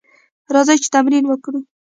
راځئ چې تمرین وکړو: